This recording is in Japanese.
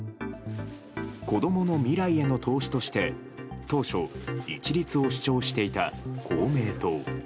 子供の未来への投資として当初、一律を主張していた公明党。